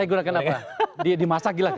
orang orang yang menggunakan kata goreng ya